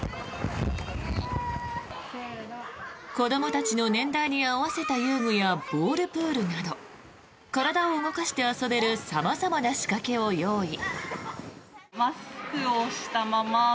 子どもたちの年代に合わせた遊具やボールプールなど体を動かして遊べる様々な仕掛けを用意。